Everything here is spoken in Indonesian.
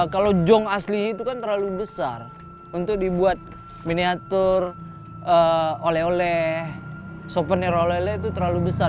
kalau jong asli itu kan terlalu besar untuk dibuat miniatur oleh oleh souvenir oleh oleh itu terlalu besar